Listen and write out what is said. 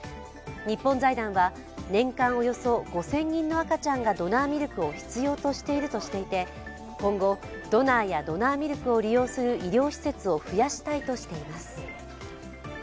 日本財団は年間およそ５０００人の赤ちゃんがドナーミルクを必要としているとしていて、今後、ドナーやドナーミルクを利用する医療施設を増やしたいとしています。